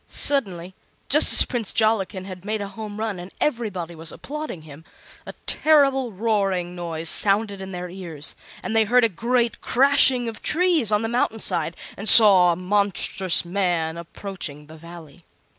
Suddenly, just as Prince Jollikin had made a home run and everybody was applauding him, a terrible roaring noise sounded in their ears, and they heard a great crashing of trees on the mountain side and saw a monstrous man approaching the Valley.